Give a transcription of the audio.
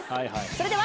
それでは。